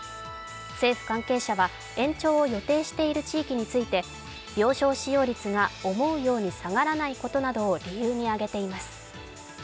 政府関係者は、延長を予定している地域について病床使用率が思うように下がらないことなどを理由に挙げています。